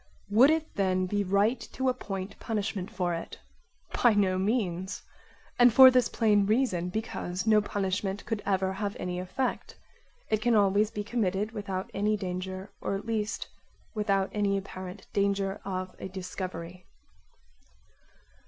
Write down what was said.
Would it then be right to appoint / punishment for it? By no means; and for this plain reason, because no punishment could ever have any effect. It can always be committed without any danger or at least without any apparent danger of a discovery.